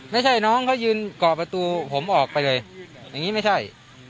ไม่ใช่น้องเขายืนก่อประตูผมออกไปเลยอย่างนี้ไม่ใช่